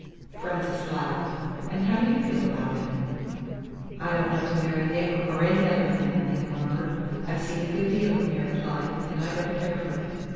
Frances laughed. "And how do you feel about it?" "I don't want to marry Nick, or any other man," Lena murmured. "I've seen a good deal of married life, and I don't care for it.